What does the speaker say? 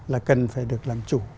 là cần phải được làm chủ